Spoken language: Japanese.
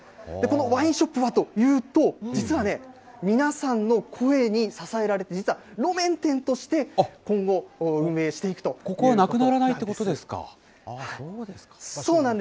このワインショップはというと、実はね、皆さんの声に支えられて、実は路面店として今後、運営してここはなくならないというこそうなんです。